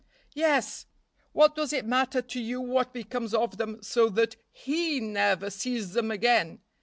"Yes! What does it matter to you what becomes of them so that he never sees them again?